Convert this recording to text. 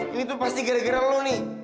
ini tuh pasti gara gara lo nih